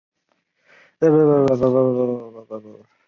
鲁勒河畔维雷人口变化图示